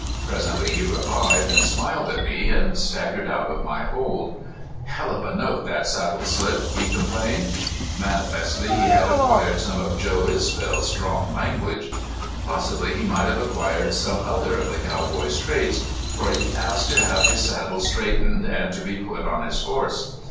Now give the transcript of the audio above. Presently he revived, and smiled at me, and staggered out of my hold. "Helluva note that saddle slipped!" he complained. Manifestly he had acquired some of Joe Isbel's strong language. Possibly he might have acquired some other of the cowboy's traits, for he asked to have his saddle straightened and to be put on his horse.